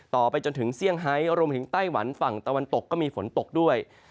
ต่อไปจนถึงเซี่ยงไฮรวมถึงไต้หวันฝั่งตะวันตกก็มีฝนตกด้วย